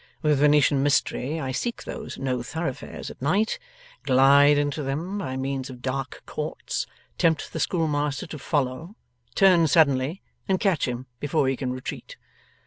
With Venetian mystery I seek those No Thoroughfares at night, glide into them by means of dark courts, tempt the schoolmaster to follow, turn suddenly, and catch him before he can retreat.